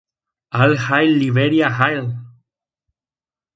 All hail, Liberia, hail!